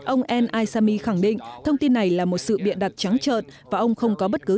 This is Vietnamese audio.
ông al esami khẳng định thông tin này là một sự biện đặt trắng trợt và ông không có bất cứ